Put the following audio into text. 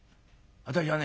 私はね